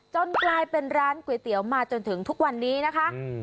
กลายเป็นร้านก๋วยเตี๋ยวมาจนถึงทุกวันนี้นะคะ